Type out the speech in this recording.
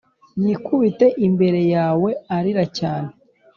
Yikubite imbere yawe arira cyane